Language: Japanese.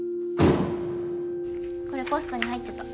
これポストに入ってた。